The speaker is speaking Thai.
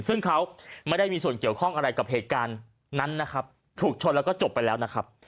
ซึ่งเขาไม่ได้มีส่วนเกี่ยวข้องอะไรกับเหตุการณ์นั้นนะครับถูกชนแล้วก็จบไปแล้วนะครับ